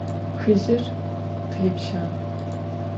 Xıjır khêpşağ.